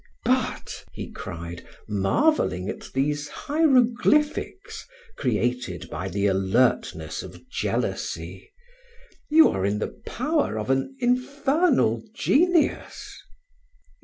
"But," he cried, marveling at these hieroglyphics created by the alertness of jealousy, "you are in the power of an infernal genius?"